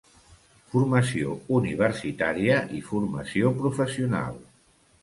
Formació universitària i formació professional.